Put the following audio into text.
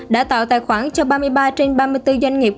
đã tạo tài khoản cho ba mươi ba trên ba mươi bốn doanh nghiệp